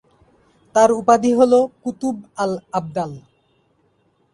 তার উপাধি হল "কুতুব আল-আবদাল"।